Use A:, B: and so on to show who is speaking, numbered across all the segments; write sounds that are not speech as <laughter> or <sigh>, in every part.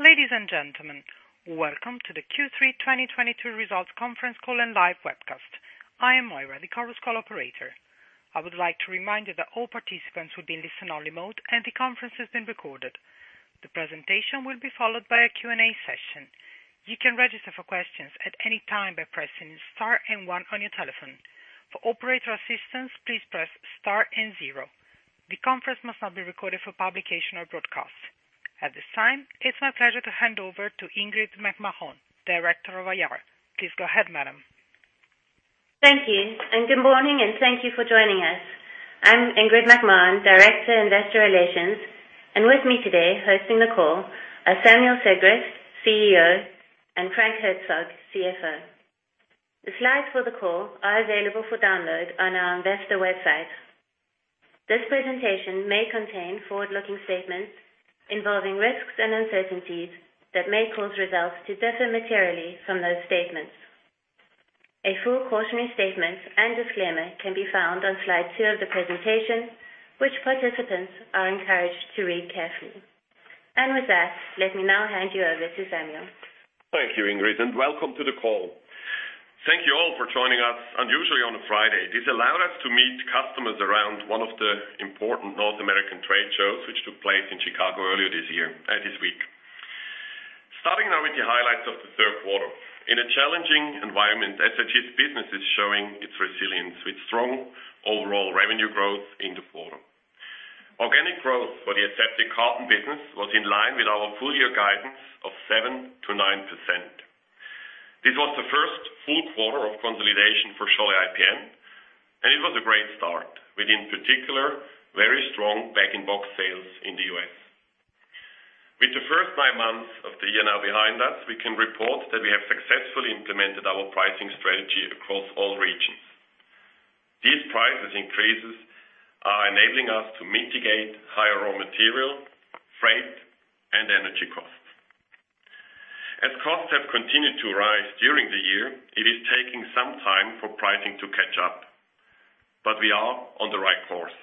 A: Ladies and gentlemen, welcome to the Q3 2022 Results conference call and live webcast. I am Moira, the conference call operator. I would like to remind you that all participants will be in listen-only mode, and the conference is being recorded. The presentation will be followed by a Q&A session. You can register for questions at any time by pressing star and one on your telephone. For operator assistance, please press star and zero. The conference must not be recorded for publication or broadcast. At this time, it's my pleasure to hand over to Ingrid McMahon, Director of IR. Please go ahead, madam.
B: Thank you, and good morning, and thank you for joining us. I'm Ingrid McMahon, Director of Investor Relations. With me today, hosting the call are Samuel Sigrist, CEO, and Frank Herzog, CFO. The slides for the call are available for download on our investor website. This presentation may contain forward-looking statements involving risks and uncertainties that may cause results to differ materially from those statements. A full cautionary statement and disclaimer can be found on slide two of the presentation, which participants are encouraged to read carefully. With that, let me now hand you over to Samuel.
C: Thank you, Ingrid, and welcome to the call. Thank you all for joining us unusually on a Friday. This allowed us to meet customers around one of the important North American trade shows, which took place in Chicago earlier this year, this week. Starting now with the highlights of the third quarter. In a challenging environment, SIG's business is showing its resilience with strong overall revenue growth in the quarter. Organic growth for the aseptic carton business was in line with our full-year guidance of 7%-9%. This was the first full quarter of consolidation for Scholle IPN, and it was a great start. With, in particular, very strong bag-in-box sales in the U.S. With the first nine months of the year now behind us, we can report that we have successfully implemented our pricing strategy across all regions. These price increases are enabling us to mitigate higher raw material, freight, and energy costs. Costs have continued to rise during the year. It is taking some time for pricing to catch up, but we are on the right course.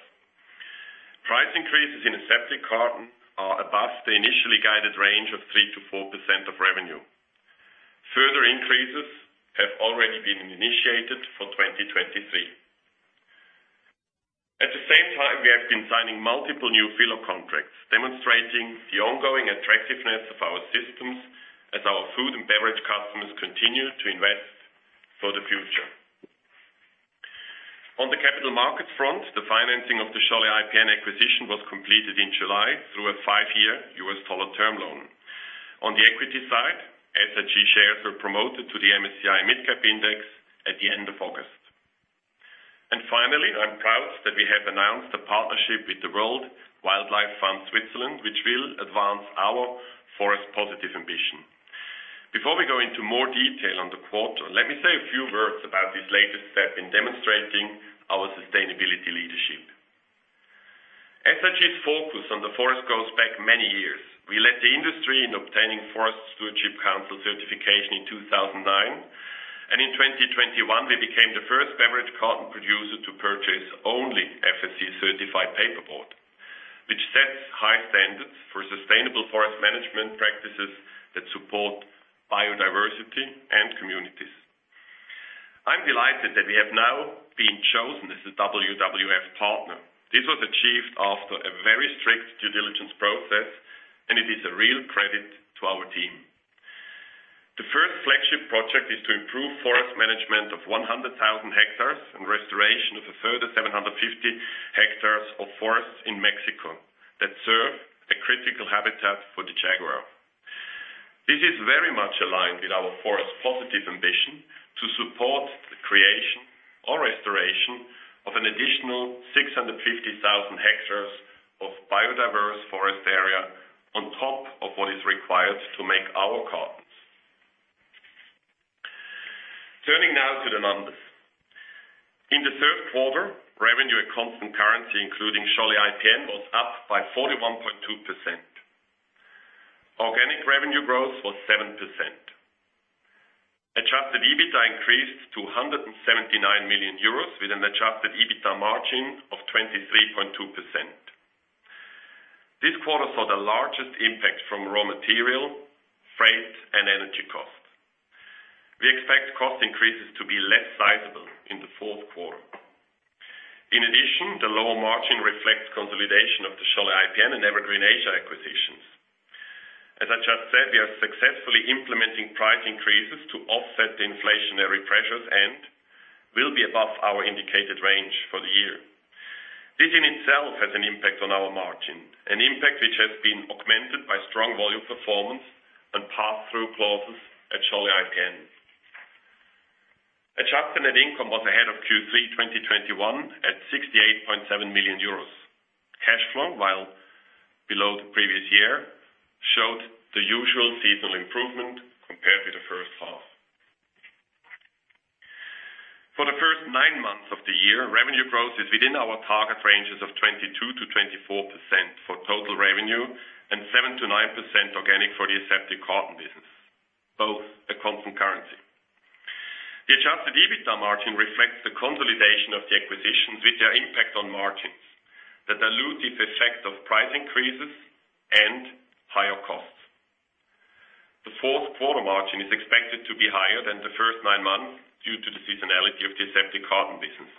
C: Price increases in aseptic carton are above the initially guided range of 3%-4% of revenue. Further increases have already been initiated for 2023. At the same time, we have been signing multiple new filler contracts, demonstrating the ongoing attractiveness of our systems as our food and beverage customers continue to invest for the future. On the capital markets front, the financing of the Scholle IPN acquisition was completed in July through a five-year US dollar term loan. On the equity side, SIG shares were promoted to the MSCI Switzerland Mid Cap Index at the end of August. Finally, I'm proud that we have announced a partnership with the World Wildlife Fund Switzerland, which will advance our forest positive ambition. Before we go into more detail on the quarter, let me say a few words about this latest step in demonstrating our sustainability leadership. SIG's focus on the forest goes back many years. We led the industry in obtaining Forest Stewardship Council certification in 2009. In 2021, we became the first beverage carton producer to purchase only FSC-certified paperboard, which sets high standards for sustainable forest management practices that support biodiversity and communities. I'm delighted that we have now been chosen as a WWF partner. This was achieved after a very strict due diligence process, and it is a real credit to our team. The first flagship project is to improve forest management of 100,000 hectares and restoration of a further 750 hectares of forests in Mexico that serve a critical habitat for the jaguar. This is very much aligned with our forest positive ambition to support the creation or restoration of an additional 650,000 hectares of biodiverse forest area on top of what is required to make our cartons. Turning now to the numbers. In the third quarter, revenue at constant currency, including Scholle IPN, was up by 41.2%. Organic revenue growth was 7%. Adjusted EBITDA increased to 179 million euros, with an adjusted EBITDA margin of 23.2%. This quarter saw the largest impact from raw material, freight, and energy costs. We expect cost increases to be less sizable in the fourth quarter. In addition, the lower margin reflects consolidation of the Scholle IPN and Evergreen Asia acquisitions. As I just said, we are successfully implementing price increases to offset the inflationary pressures and will be above our indicated range for the year. This in itself has an impact on our margin, an impact which has been augmented by strong volume performance and pass-through clauses at Scholle IPN. Adjusted net income was ahead of Q3 2021 at 68.7 million euros. Cash flow, while below the previous year, showed the usual seasonal improvement compared with the first half. For the first nine months of the year, revenue growth is within our target ranges of 22%-24% for total revenue and 7%-9% organic for the aseptic carton business, both at constant currency. The adjusted EBITDA margin reflects the impact on margins, the dilutive effect of price increases and higher costs. The fourth quarter margin is expected to be higher than the first nine months due to the seasonality of the aseptic carton business,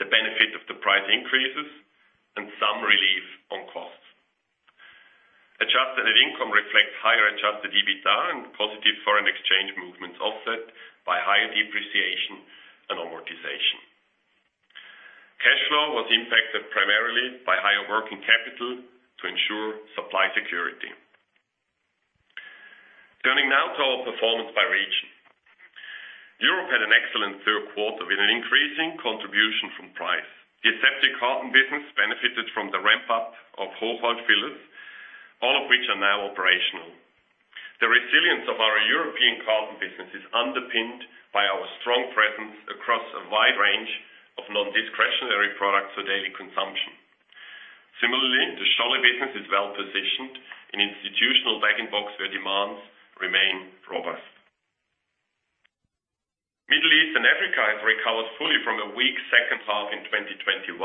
C: the benefit of the price increases, and some relief on costs. Adjusted net income reflects higher adjusted EBITDA and positive foreign exchange movements offset by higher depreciation and amortization. Cash flow was impacted primarily by higher working capital to ensure supply security. Turning now to our performance by region. Europe had an excellent third quarter with an increasing contribution from price. The aseptic carton business benefited from the ramp-up of household fillers, all of which are now operational. The resilience of our European carton business is underpinned by our strong presence across a wide range of non-discretionary products for daily consumption. Similarly, the Scholle business is well positioned in institutional bag-in-box where demands remain robust. Middle East and Africa has recovered fully from a weak second half in 2021.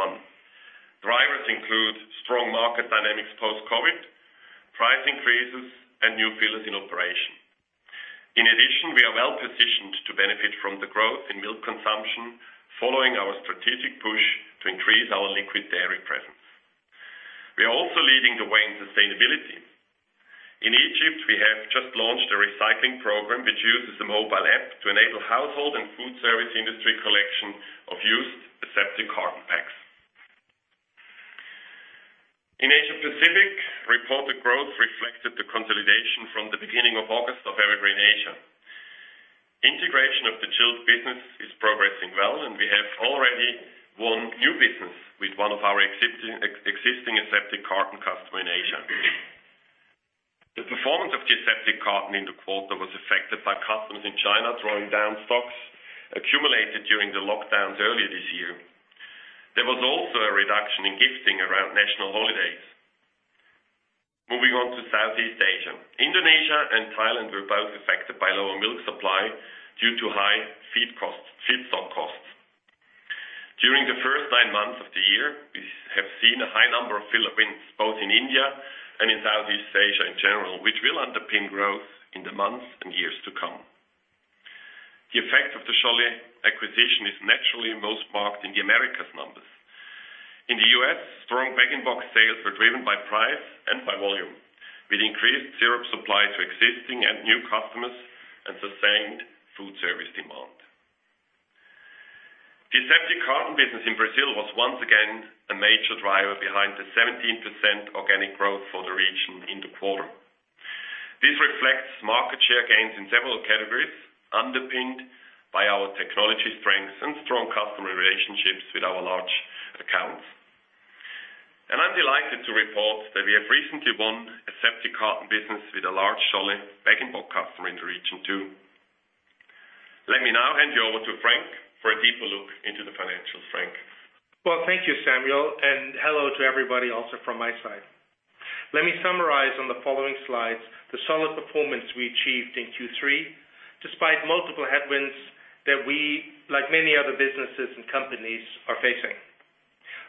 C: Drivers include strong market dynamics post-COVID, price increases, and new fillers in operation. In addition, we are well positioned to benefit from the growth in milk consumption following our strategic push to increase our liquid dairy presence. We are also leading the way in sustainability. In Egypt, we have just launched a recycling program which uses a mobile app to enable household and food service industry collection of used aseptic carton packs. In Asia Pacific, reported growth reflected the consolidation from the beginning of August of Evergreen Asia. Integration of the chilled business is progressing well, and we have already won new business with one of our existing aseptic carton customer in Asia. The performance of the aseptic carton in the quarter was affected by customers in China drawing down stocks accumulated during the lockdowns earlier this year. There was also a reduction in gifting around national holidays. Moving on to Southeast Asia. Indonesia and Thailand were both affected by lower milk supply due to high feedstock costs. During the first nine months of the year, we have seen a high number of filler wins, both in India and in Southeast Asia in general, which will underpin growth in the months and years to come. The effect of the Scholle IPN acquisition is naturally most marked in the Americas numbers. In the U.S., strong bag-in-box sales were driven by price and by volume, with increased syrup supply to existing and new customers and sustained food service demand. The aseptic carton business in Brazil was once again a major driver behind the 17% organic growth for the region in the quarter. This reflects market share gains in several categories, underpinned by our technology strengths and strong customer relationships with our large accounts. I'm delighted to report that we have recently won aseptic carton business with a large Scholle bag-in-box customer in the region too. Let me now hand you over to Frank for a deeper look into the financials. Frank.
D: Well, thank you, Samuel, and hello to everybody also from my side. Let me summarize on the following slides the solid performance we achieved in Q3, despite multiple headwinds that we, like many other businesses and companies, are facing.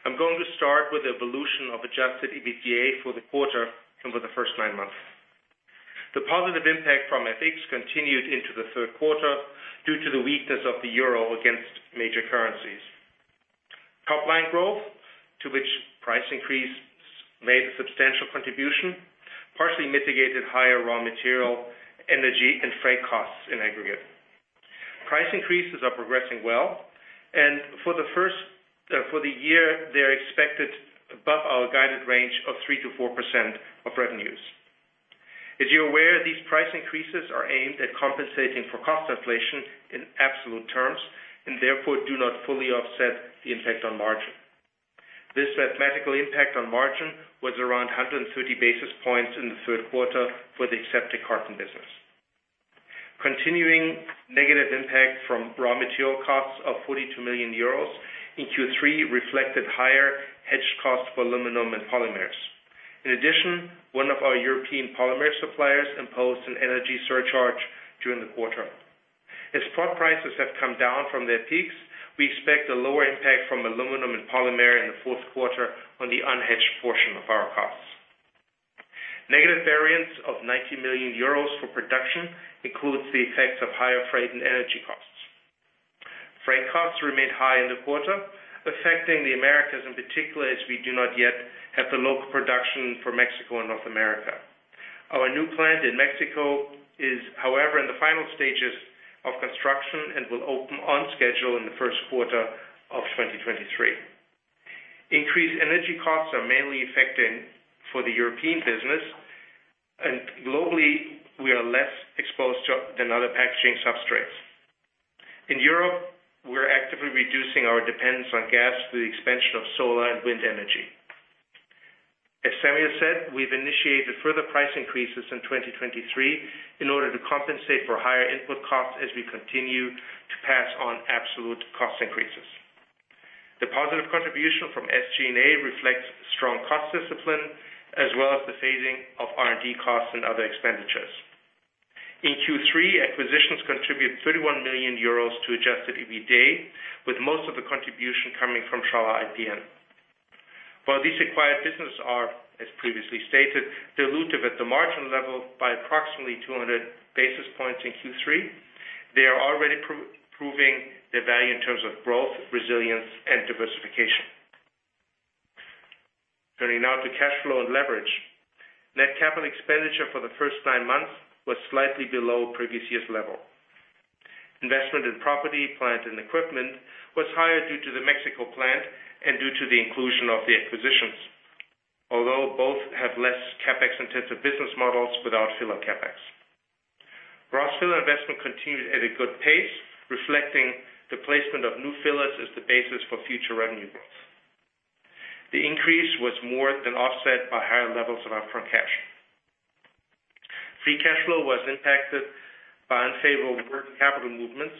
D: I'm going to start with the evolution of adjusted EBITDA for the quarter and for the first nine months. The positive impact from FX continued into the third quarter due to the weakness of the euro against major currencies. Top line growth, to which price increase made a substantial contribution, partially mitigated higher raw material, energy, and freight costs in aggregate. Price increases are progressing well, and for the year, they are expected above our guided range of 3%-4% of revenues. As you're aware, these price increases are aimed at compensating for cost inflation in absolute terms, and therefore do not fully offset the impact on margin. This mathematical impact on margin was around 130 basis points in the third quarter for the aseptic carton business. Continuing negative impact from raw material costs of 42 million euros in Q3 reflected higher hedge costs for aluminum and polymers. In addition, one of our European polymer suppliers imposed an energy surcharge during the quarter. As spot prices have come down from their peaks, we expect a lower impact from aluminum and polymer in the fourth quarter on the unhedged portion of our costs. Negative variance of 90 million euros for production includes the effects of higher freight and energy costs. Freight costs remained high in the quarter, affecting the Americas in particular, as we do not yet have the local production for Mexico and North America. Our new plant in Mexico is, however, in the final stages of construction and will open on schedule in the first quarter of 2023. Increased energy costs are mainly affecting the European business, and globally, we are less exposed to than other packaging substrates. In Europe, we're actively reducing our dependence on gas through the expansion of solar and wind energy. As Samuel said, we've initiated further price increases in 2023 in order to compensate for higher input costs as we continue to pass on absolute cost increases. The positive contribution from SG&A reflects strong cost discipline, as well as the phasing of R&D costs and other expenditures. In Q3, acquisitions contribute 31 million euros to adjusted EBITDA, with most of the contribution coming from Scholle IPN. While these acquired businesses are, as previously stated, dilutive at the margin level by approximately 200 basis points in Q3, they are already proving their value in terms of growth, resilience, and diversification. Turning now to cash flow and leverage. Net capital expenditure for the first nine months was slightly below previous year's level. Investment in property, plant, and equipment was higher due to the Mexico plant and due to the inclusion of the acquisitions. Although both have less CapEx-intensive business models without filler CapEx. New filler investment continued at a good pace, reflecting the placement of new fillers as the basis for future revenue growth. The increase was more than offset by higher levels of upfront cash. Free cash flow was impacted by unfavorable working capital movements,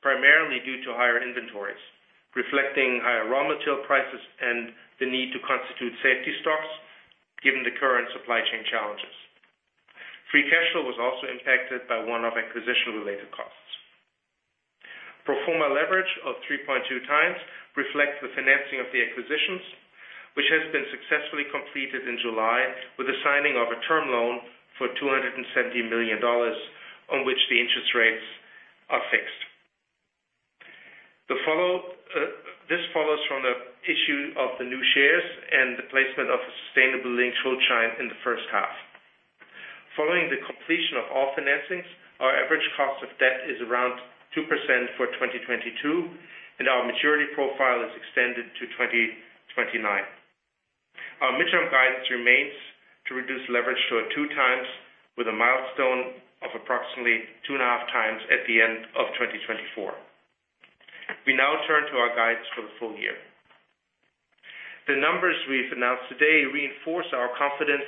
D: primarily due to higher inventories, reflecting higher raw material prices and the need to constitute safety stocks given the current supply chain challenges. Free cash flow was also impacted by one-off acquisition-related costs. Pro forma leverage of 3.2x reflects the financing of the acquisitions, which has been successfully completed in July with the signing of a term loan for $270 million, on which the interest rates are fixed. This follows from the issue of the new shares and the placement of a Sustainability-Linked Schuldschein in the first half. Following the completion of all financings, our average cost of debt is around 2% for 2022, and our maturity profile is extended to 2029. Our midterm guidance remains to reduce leverage to 2x with a milestone of approximately 2.5x at the end of 2024. We now turn to our guidance for the full year. The numbers we've announced today reinforce our confidence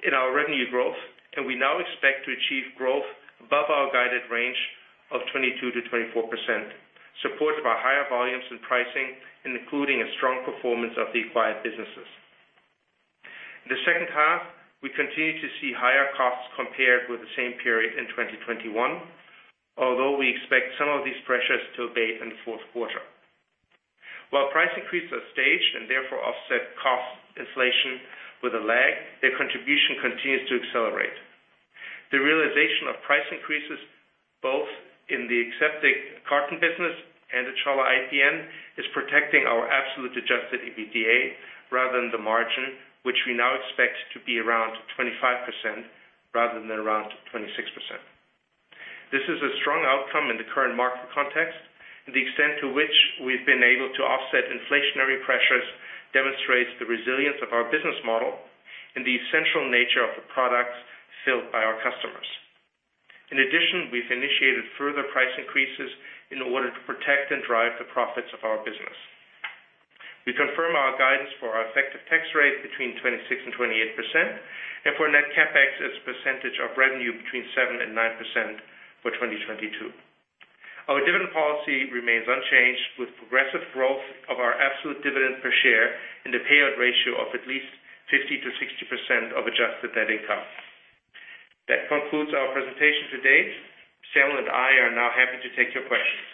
D: in our revenue growth, and we now expect to achieve growth above our guided range of 22%-24%, supported by higher volumes and pricing, including a strong performance of the acquired businesses. In the second half, we continue to see higher costs compared with the same period in 2021. Although we expect some of these pressures to abate in the fourth quarter. While price increases are staged and therefore offset cost inflation with a lag, their contribution continues to accelerate. The realization of price increases both in the aseptic carton business and the Scholle IPN is protecting our absolute adjusted EBITDA rather than the margin, which we now expect to be around 25% rather than around 26%. This is a strong outcome in the current market context, and the extent to which we've been able to offset inflationary pressures demonstrates the resilience of our business model and the essential nature of the products filled by our customers. In addition, we've initiated further price increases in order to protect and drive the profits of our business. We confirm our guidance for our effective tax rate between 26% and 28% and for net CapEx as a percentage of revenue between 7% and 9% for 2022. Our dividend policy remains unchanged with progressive growth of our absolute dividend per share in the payout ratio of at least 50%-60% of adjusted net income. That concludes our presentation today. Samuel and I are now happy to take your questions.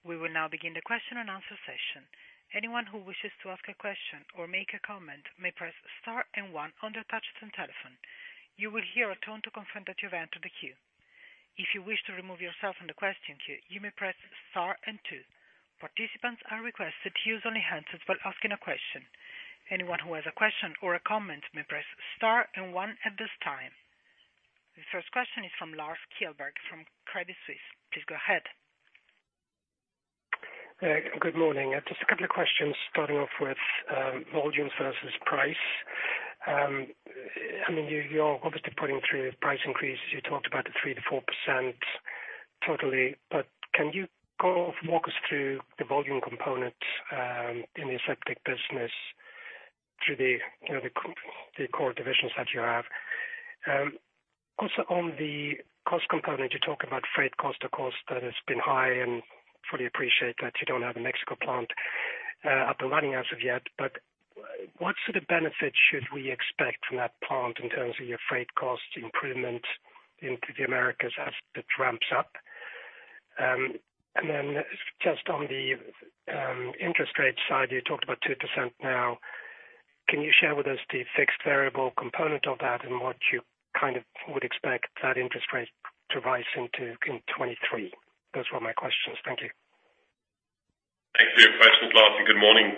A: We will now begin the Q&A session. Anyone who wishes to ask a question or make a comment may press star and one on their touch-tone telephone. You will hear a tone to confirm that you've entered the queue. If you wish to remove yourself from the question queue, you may press star and two. Participants are requested to use only handsets while asking a question. Anyone who has a question or a comment may press star and one at this time. The first question is from Lars Kjellberg from Credit Suisse. Please go ahead.
E: Good morning. Just a couple of questions, starting off with volumes versus price. I mean, you're obviously putting through price increases. You talked about the 3%-4% totally. Can you walk us through the volume component in the aseptic business through the, you know, the core divisions that you have? Also on the cost component, you talk about freight cost, of course, that has been high and fully appreciate that you don't have a Mexico plant up and running as of yet. What sort of benefit should we expect from that plant in terms of your freight cost improvement into the Americas as it ramps up? And then just on the interest rate side, you talked about 2% now. Can you share with us the fixed variable component of that and what you kind of would expect that interest rate to rise into in 2023? Those were my questions. Thank you.
C: Thanks for your question, Lars. Good morning.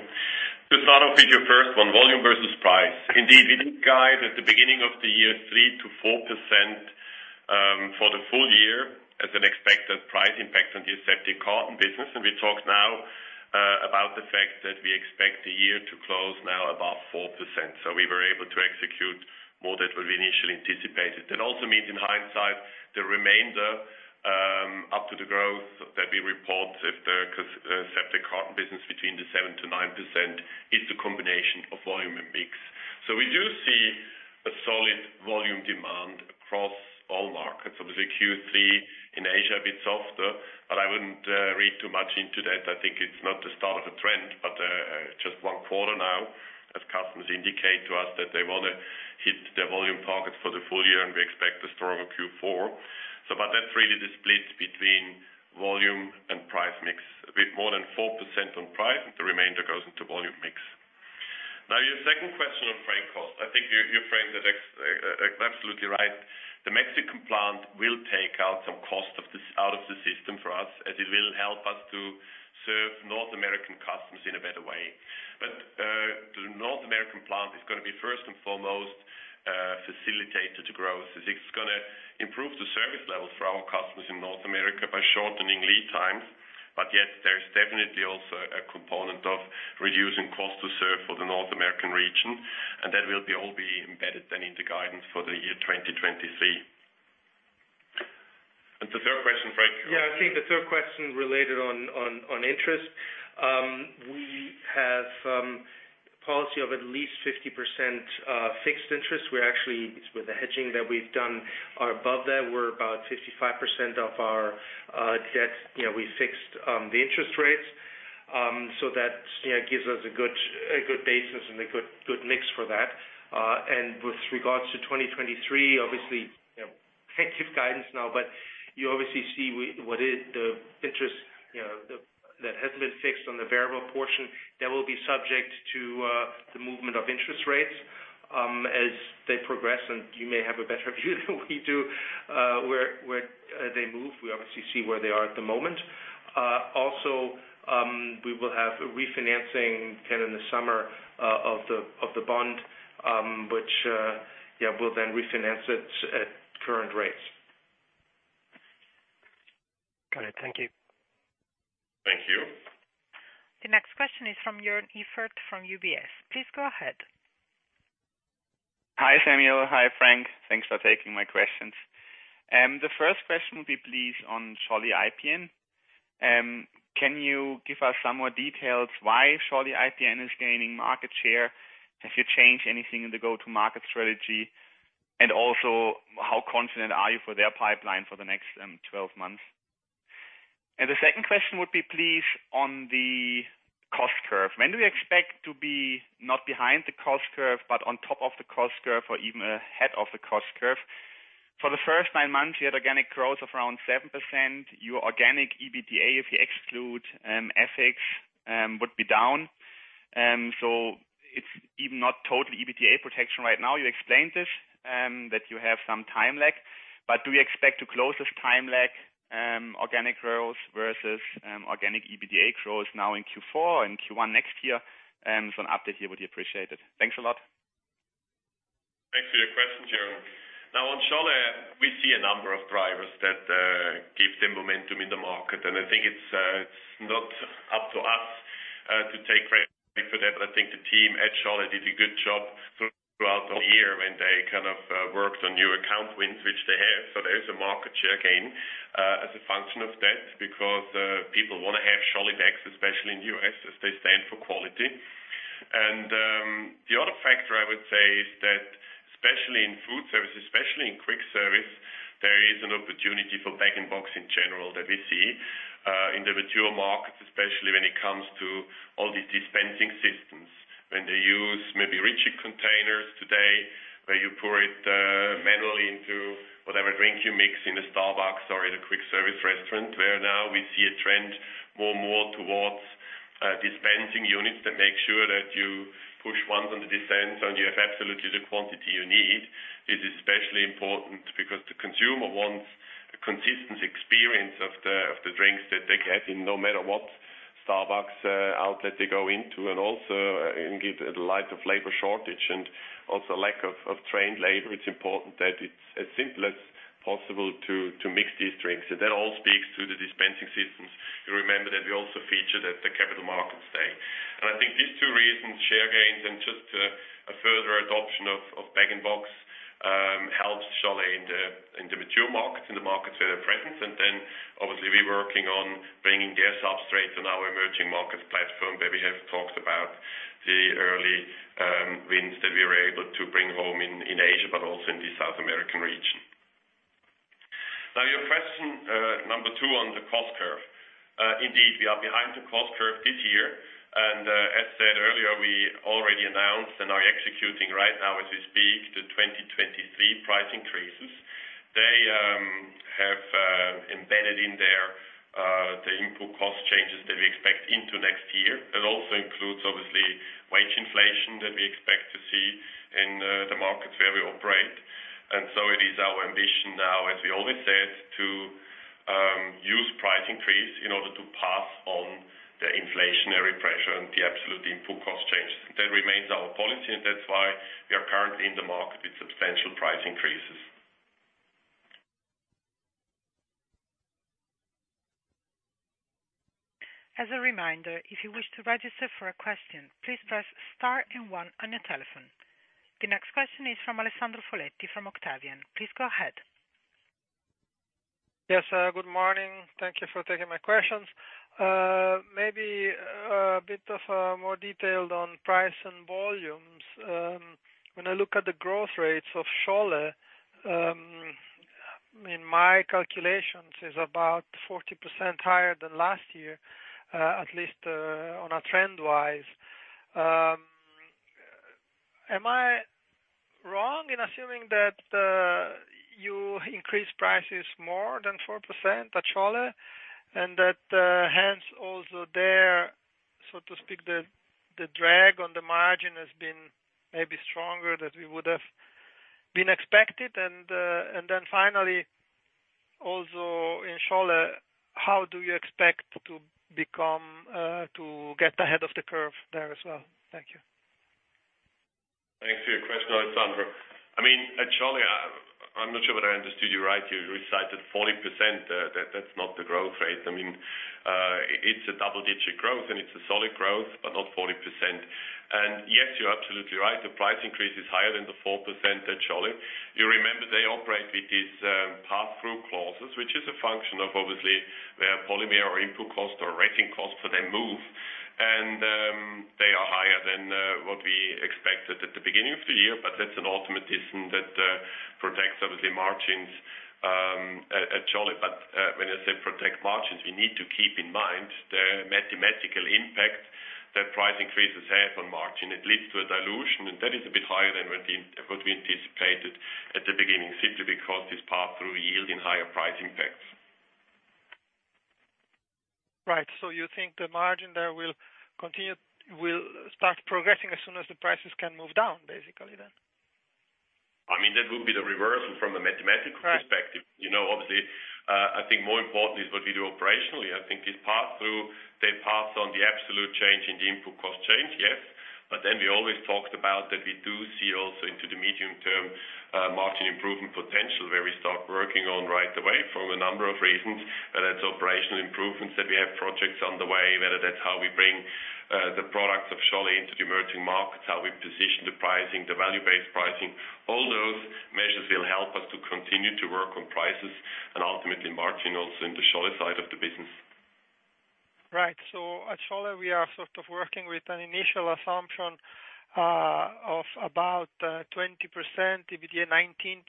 C: To start off with your first one, volume versus price. Indeed, we did guide at the beginning of the year, 3%-4% for the full year as an expected price impact on the aseptic carton business. We talk now about the fact that we expect the year to close now above 4%. We were able to execute more than what we initially anticipated. That also means in hindsight, the remainder up to the growth that we report in the aseptic carton business between 7%-9% is the combination of volume and mix. We do see a solid volume demand across all markets. Q3 in Asia a bit softer, but I wouldn't read too much into that. I think it's not the start of a trend, but just one quarter now as customers indicate to us that they wanna hit their volume targets for the full year, and we expect a stronger Q4. But that's really the split between volume and price mix. A bit more than 4% on price, and the remainder goes into volume mix. Now, your second question on freight cost. I think you framed it exactly, absolutely right. The Mexican plant will take some of this cost out of the system for us, as it will help us to serve North American customers in a better way. The North American plant is gonna be first and foremost, facilitator to growth, as it's gonna improve the service levels for our customers in North America by shortening lead times. Yet there's definitely also a component of reducing cost to serve for the North American region, and that will all be embedded then in the guidance for the year 2023. The third question, Frank.
D: Yeah, I think the third question related to interest. We have policy of at least 50% fixed interest. We're actually with the hedging that we've done are above that. We're about 55% of our debt. You know, we fixed the interest rates so that, you know, gives us a good basis and a good mix for that. With regards to 2023, obviously, you know, can't give guidance now, but you obviously see what is the interest, you know, that has been fixed on the variable portion that will be subject to the movement of interest rates as they progress. You may have a better view than we do where they move. We obviously see where they are at the moment. Also, we will have a refinancing kind of in the summer of the bond, which we'll then refinance it at current rates.
E: Got it. Thank you.
C: Thank you.
A: The next question is from Joern Iffert from UBS. Please go ahead.
F: Hi, Samuel. Hi, Frank. Thanks for taking my questions. The first question would be please, on Scholle IPN. Can you give us some more details why Scholle IPN is gaining market share? Have you changed anything in the go-to-market strategy? And also, how confident are you for their pipeline for the next, 12 months? And the second question would be please, on the cost curve. When do we expect to be not behind the cost curve, but on top of the cost curve or even ahead of the cost curve? For the first nine months, you had organic growth of around 7%. Your organic EBITDA, if you exclude, FX, would be down. So it's even not total EBITDA protection right now. You explained this, that you have some time lag. Do we expect to close this time lag, organic growth versus, organic EBITDA growth now in Q4 and Q1 next year? An update here would be appreciated. Thanks a lot.
C: Thanks for your question, Joern. Now on Scholle, we see a number of drivers that give them momentum in the market. I think it's not up to us to take credit for that. I think the team at Scholle did a good job throughout the year when they kind of worked on new account wins, which they have. There is a market share gain as a function of that because people wanna have Scholle bags, especially in U.S., as they stand for quality. The other factor I would say is that especially in food service, especially in quick service, there is an opportunity for bag-in-box in general that we see in the mature markets, especially when it comes to all these dispensing systems. When they use maybe rigid containers today, where you pour it manually into whatever drink you mix in a Starbucks or in a quick service restaurant, where now we see a trend more and more towards dispensing units that make sure that you push once on the dispense and you have absolutely the quantity you need. It is especially important because the consumer wants a consistent experience of the drinks that they get in no matter what Starbucks outlet they go into. Also in light of labor shortage and also lack of trained labor, it's important that it's as simple as possible to mix these drinks. That all speaks to the dispensing systems you remember that we also featured at the Capital Markets Day. I think these two reasons, share gains and just a further adoption of bag and box, helps Scholle in the mature markets, in the markets where they're present. Then obviously we're working on bringing their substrates on our emerging markets platform, where we have talked about the early wins that we were able to bring home in Asia, but also in the South American region. Now, your question number two on the cost curve. Indeed, we are behind the cost curve this year. As said earlier, we already announced and are executing right now as we speak the 2023 price increases. They have embedded in them the input cost changes that we expect into next year. That also includes obviously wage inflation that we expect to see in the markets where we operate. It is our ambition now, as we always said, to use price increase in order to pass on the inflationary pressure and the absolute input cost changes. That remains our policy, and that's why we are currently in the market with substantial price increases.
A: As a reminder, if you wish to register for a question, please press star and one on your telephone. The next question is from Alessandro Foletti from Octavian. Please go ahead.
G: Yes, good morning. Thank you for taking my questions. Maybe a bit more detail on price and volumes. When I look at the growth rates of Scholle, I mean, my calculations is about 40% higher than last year, at least on a trend wise. Am I wrong in assuming that you increased prices more than 4% at Scholle, and that hence also there, so to speak, the drag on the margin has been maybe stronger than we would have expected. Then finally, also in Scholle, how do you expect to get ahead of the curve there as well? Thank you.
C: Thanks for your question, Alessandro. I mean, at Scholle, I'm not sure whether I understood you right. You recited 40%. That's not the growth rate. I mean, it's a double-digit growth, and it's a solid growth, but not 40%. Yes, you're absolutely right. The price increase is higher than the 4% at Scholle. You remember they operate with these pass-through clauses, which is a function of obviously where polymer or input costs or resin costs for them move. They are higher than what we expected at the beginning of the year, but that's an automatic that protects obviously margins at Scholle. When I say protect margins, we need to keep in mind the mathematical impact that price increases have on margin. It leads to a dilution, and that is a bit higher than what we anticipated at the beginning, simply because this pass-through yielding higher price impacts.
G: Right. You think the margin there will start progressing as soon as the prices can move down, basically, then?
C: I mean, that would be the reversal from a mathematical.
G: Right.
C: -perspective. You know, obviously, I think more important is what we do operationally. I think this pass-through, they pass on the absolute change in the input cost change, yes. We always talked about that we do see also into the medium-term, margin improvement potential, where we start working on right away for a number of reasons, whether it's operational improvements, that we have projects on the way, whether that's how we bring, the products of Scholle into the emerging markets, how we position the pricing, the value-based pricing. All those measures will help us to continue to work on prices and ultimately margin also in the Scholle side of the business.
G: Right. At Scholle, we are sort of working with an initial assumption of about 20% EBITDA, 19%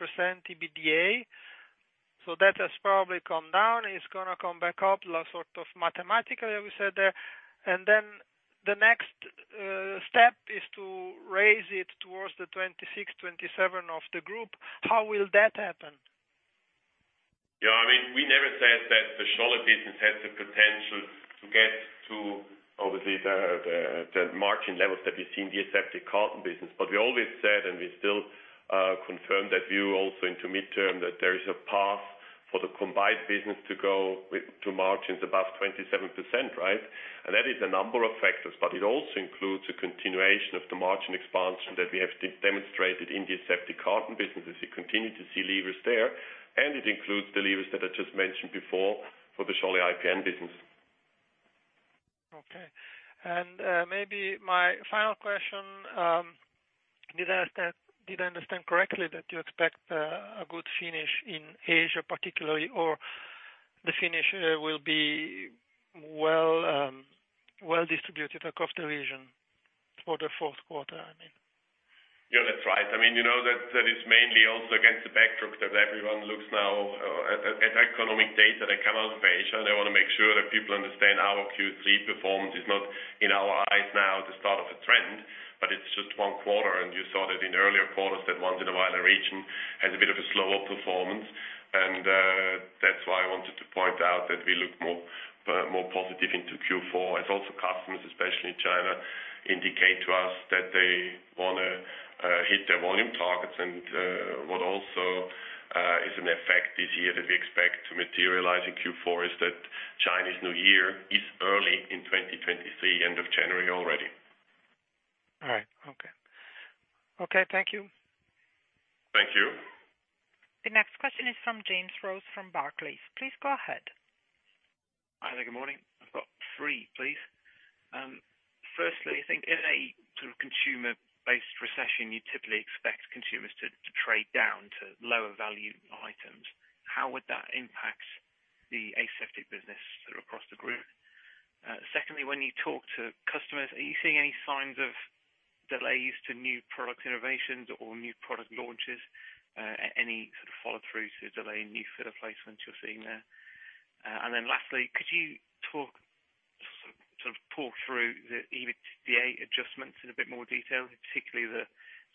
G: EBITDA. That has probably come down. It's gonna come back up, like, sort of mathematically, as we said there. Then the next step is to raise it towards the 26%-27% of the group. How will that happen?
C: Yeah, I mean, we never said that the Scholle business has the potential to get to, obviously, the margin levels that we see in the aseptic carton business. We always said, and we still confirm that view also into mid-term, that there is a path for the combined business to margins above 27%, right? That is a number of factors, but it also includes a continuation of the margin expansion that we have demonstrated in the aseptic carton business, as we continue to see levers there, and it includes the levers that I just mentioned before for the Scholle IPN business.
G: Okay. Maybe my final question, did I understand correctly that you expect a good finish in Asia particularly, or the finish will be well distributed across the region for the fourth quarter, I mean?
C: Yeah, that's right. I mean, you know, that is mainly also against the backdrop that everyone looks now at economic data that come out of Asia. They wanna make sure that people understand our Q3 performance is not, in our eyes now, the start of a trend, but it's just one quarter. That's why I wanted to point out that we look more positive into Q4, as also customers, especially China, indicate to us that they wanna hit their volume targets. What also is an effect this year that we expect to materialize in Q4 is that Chinese New Year is early in 2023, end of January already.
G: All right. Okay, thank you.
C: Thank you.
A: The next question is from James Rose from Barclays. Please go ahead.
H: Hi there. Good morning. I've got three, please. Firstly, I think in a sort of consumer-based recession, you typically expect consumers to trade down to lower value items. How would that impact the aseptic business sort of across the group? Secondly, when you talk to customers, are you seeing any signs of delays to new product innovations or new product launches, any sort of follow-through to delay new filler placements you're seeing there? And then lastly, could you talk, sort of pull through the EBITDA adjustments in a bit more detail, particularly the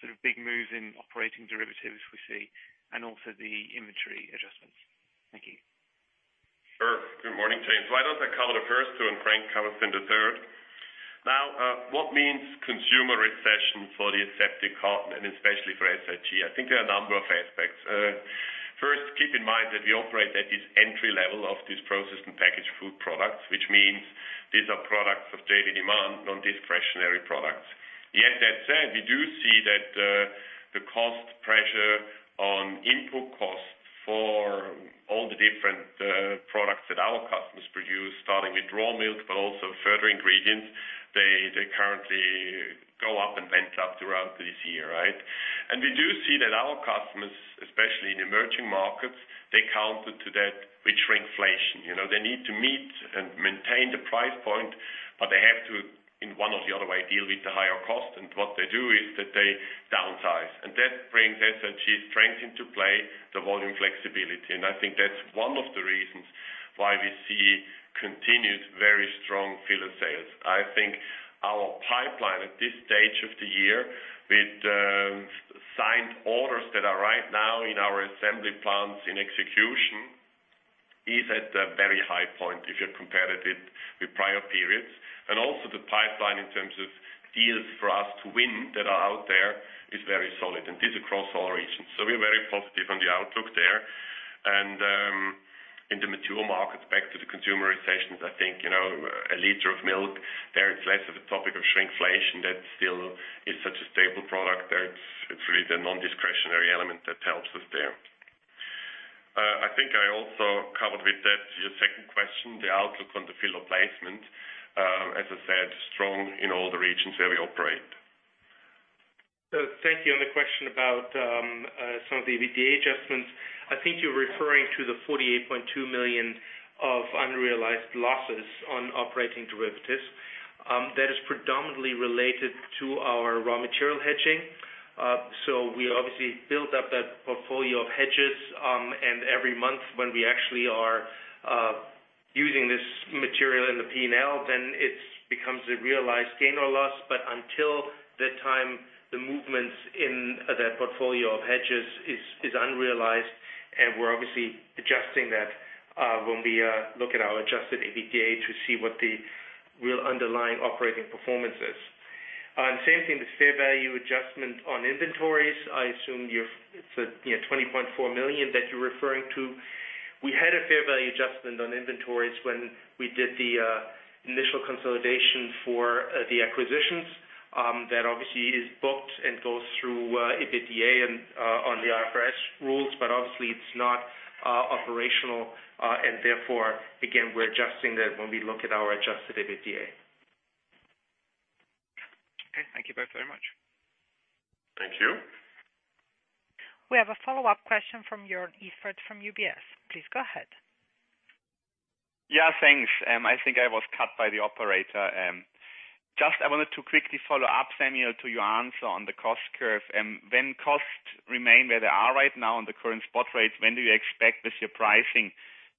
H: sort of big moves in operating derivatives we see and also the inventory adjustments? Thank you.
C: Sure. Good morning, James. Why don't I cover the first two, and Frank covers the third. Now, what means consumer recession for the aseptic carton and especially for SIG? I think there are a number of aspects. First, keep in mind that we operate at this entry level of this processed and packaged food products, which means these are products of daily demand, non-discretionary products. Yet that said, we do see that, the cost pressure on input costs for all the different, products that our customers produce, starting with raw milk but also further ingredients, they currently go up and went up throughout this year, right? We do see that our customers, especially in emerging markets, they counter to that with shrinkflation. You know, they need to meet and maintain the price point, but they have to, in one or the other way, deal with the higher cost. What they do is that they downsize, and that brings SG&A strength into play, the volume flexibility. I think that's one of the reasons why we see continued very strong filler sales. I think our pipeline at this stage of the year, with signed orders that are right now in our assembly plants in execution, is at a very high point if you compare it with prior periods. Also the pipeline in terms of deals for us to win that are out there is very solid, and this across all regions. We're very positive on the outlook there. In the mature markets, back to the consumerization, I think, you know, a liter of milk, there it's less of a topic of shrinkflation. That still is such a stable product that it's really the non-discretionary element that helps us there. I think I also covered with that your second question, the outlook on the filler placement. As I said, strong in all the regions where we operate.
D: Thank you. On the question about some of the EBITDA adjustments, I think you're referring to the 48.2 million of unrealized losses on operating derivatives. That is predominantly related to our raw material hedging. We obviously built up that portfolio of hedges, and every month when we actually are using this material in the P&L, then it becomes a realized gain or loss. But until that time, the movements in that portfolio of hedges is unrealized, and we're obviously adjusting that when we look at our adjusted EBITDA to see what the real underlying operating performance is. And same thing with fair value adjustment on inventories. I assume you're. It's, you know, 20.4 million that you're referring to. We had a fair value adjustment on inventories when we did the initial consolidation for the acquisitions. That obviously is booked and goes through EBITDA and on the IFRS rules, but obviously it's not operational. Therefore, again, we're adjusting that when we look at our adjusted EBITDA. Okay. Thank you both very much.
C: Thank you.
A: We have a follow-up question from Joern Iffert from UBS. Please go ahead.
F: Yeah, thanks. I think I was cut by the operator. Just I wanted to quickly follow up, Samuel, to your answer on the cost curve. When costs remain where they are right now on the current spot rates, when do you expect this year pricing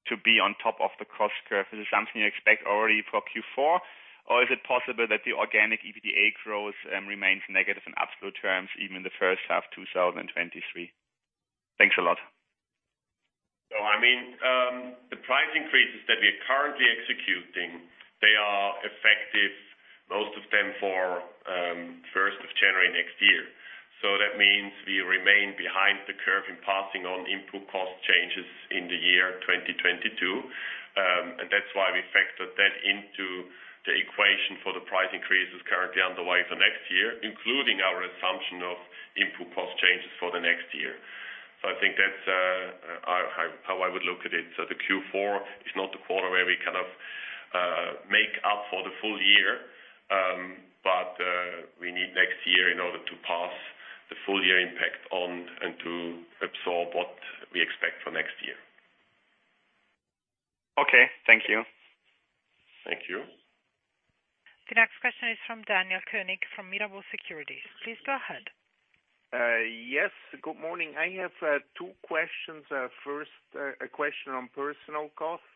F: to be on top of the cost curve? Is it something you expect already for Q4, or is it possible that the organic EBITDA growth remains negative in absolute terms, even in the first half, 2023? Thanks a lot.
C: I mean, the price increases that we are currently executing, they are effective, most of them, for first of January next year. That means we remain behind the curve in passing on input cost changes in the year 2022. That's why we factored that into the equation for the price increases currently underway for next year, including our assumption of input cost changes for the next year. I think that's how I would look at it. The Q4 is not the quarter where we kind of make up for the full year. We need next year in order to pass the full year impact on and to absorb what we expect for next year.
F: Okay, thank you.
C: Thank you.
A: The next question is from Daniel Koenig from Mirabaud Securities. Please go ahead.
I: Yes. Good morning. I have two questions. First, a question on personnel costs.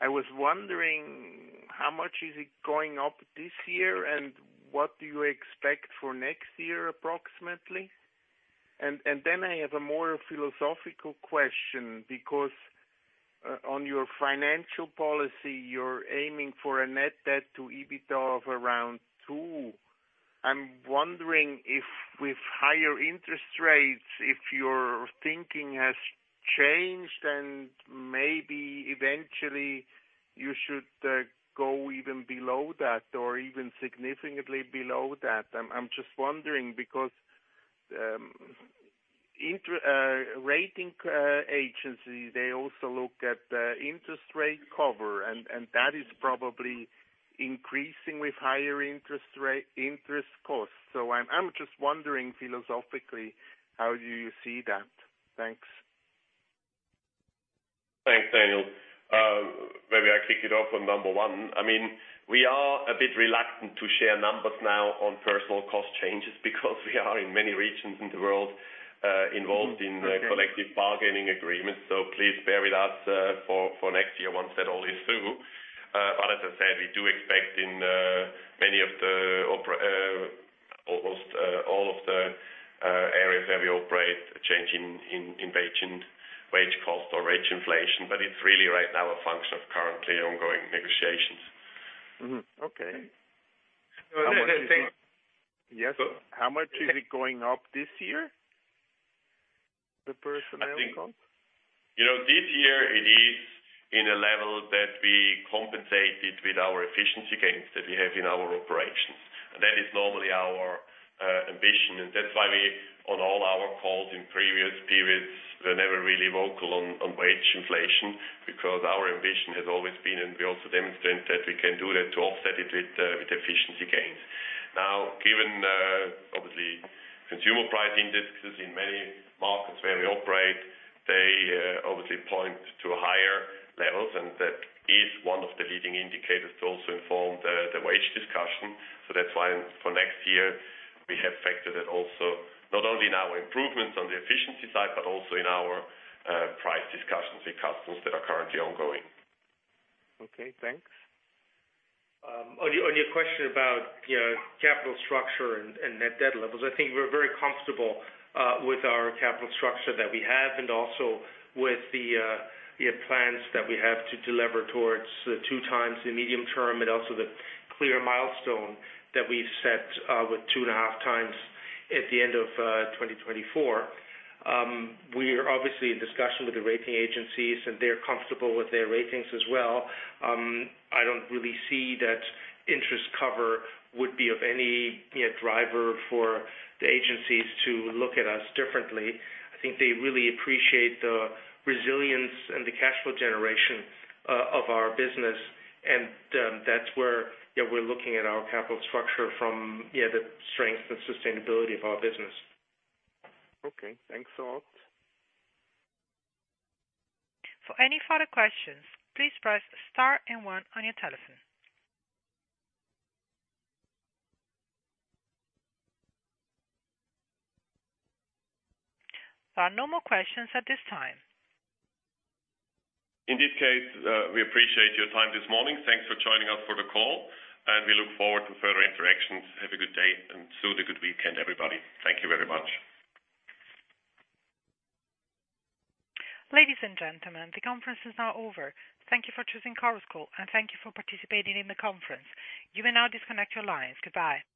I: I was wondering how much is it going up this year, and what do you expect for next year, approximately? Then I have a more philosophical question, because on your financial policy, you're aiming for a net debt to EBITDA of around two. I'm wondering if with higher interest rates, if your thinking has changed and maybe eventually you should go even below that or even significantly below that. I'm just wondering because rating agencies, they also look at interest rate cover, and that is probably increasing with higher interest rate, interest costs. I'm just wondering philosophically, how do you see that? Thanks.
C: Thanks, Daniel. Maybe I kick it off on number one. I mean, we are a bit reluctant to share numbers now on personnel cost changes because we are in many regions in the world involved in collective bargaining agreements. Please bear with us for next year once that all is through. But as I said, we do expect in many of the almost all of the areas where we operate a change in wage and wage cost or wage inflation. It's really right now a function of currently ongoing negotiations.
I: Mm-hmm. Okay.
C: <crosstalk>
I: Yes. How much is it going up this year, the personnel cost?
C: I think, you know, this year it is in a level that we compensated with our efficiency gains that we have in our operations. That is normally our ambition, and that's why we on all our calls in previous periods were never really vocal on wage inflation because our ambition has always been, and we also demonstrate that we can do that, to offset it with efficiency gains. Now, given obviously consumer pricing indexes in many markets where we operate, they obviously point to higher levels, and that is one of the leading indicators to also inform the wage discussion. That's why for next year, we have factored it also, not only in our improvements on the efficiency side but also in our price discussions with customers that are currently ongoing.
I: Okay, thanks.
D: On your question about, you know, capital structure and net debt levels, I think we're very comfortable with our capital structure that we have and also with the plans that we have to deliver towards the 2x in medium-term and also the clear milestone that we've set with 2.5x at the end of 2024. We're obviously in discussion with the rating agencies, and they're comfortable with their ratings as well. I don't really see that interest cover would be of any, you know, driver for the agencies to look at us differently. I think they really appreciate the resilience and the cash flow generation of our business. That's where we're looking at our capital structure from the strength and sustainability of our business.
I: Okay, thanks a lot.
A: For any further questions, please press star and one on your telephone. There are no more questions at this time.
C: In this case, we appreciate your time this morning. Thanks for joining us for the call, and we look forward to further interactions. Have a good day and also a good weekend, everybody. Thank you very much.
A: Ladies and gentlemen, the conference is now over. Thank you for choosing this conference call, and thank you for participating in the conference. You may now disconnect your lines. Goodbye.